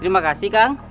terima kasih kang